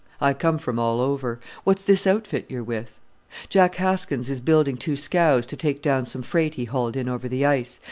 "I come from all over: what's this outfit you're with?" "Jack Haskins is building two scows to take down some freight he hauled in over the ice.